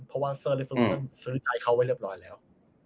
เพราะว่าเซอร์ลิซูนั้นซื้อจ่ายเขาไว้เรียบร้อยแล้ว